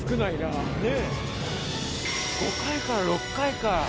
５回から６回か。